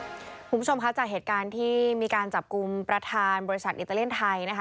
คุณผู้ชมคะจากเหตุการณ์ที่มีการจับกลุ่มประธานบริษัทอิตาเลียนไทยนะคะ